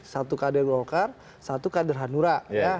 satu kader golkar satu kader hanura